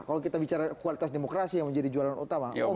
kalau kita bicara kualitas demokrasi yang menjadi jualan utama